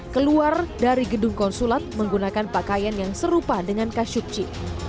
keluar dari gedung konsulat menggunakan pakaian yang serupa dengan khashogci